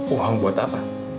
uang buat apa